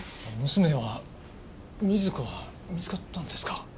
娘は瑞子は見つかったんですか？